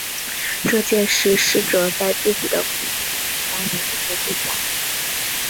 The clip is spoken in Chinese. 这件事师哲在自己的回忆录里当然也就不讲了。